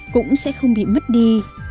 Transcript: cũng sẽ không bị mất đi